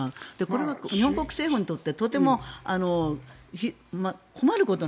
これは日本国政府にとってとても困ること。